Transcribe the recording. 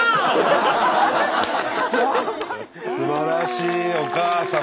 すばらしいお母様。